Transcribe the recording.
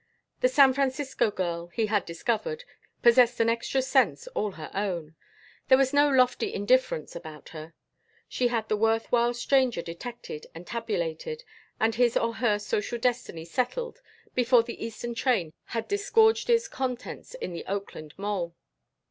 The San Francisco girl, he had discovered, possessed an extra sense all her own. There was no lofty indifference about her. She had the worth while stranger detected and tabulated and his or her social destiny settled before the Eastern train had disgorged its contents at the Oakland mole.